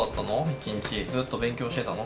一日、ずっと勉強してたの？